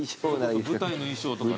舞台の衣装とかね。